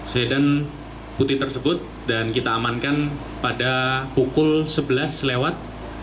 sedan putih tersebut dan kita amankan pada pukul sebelas lewat